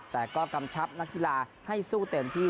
แต่ก็กำชับนักกีฬาให้สู้เต็มที่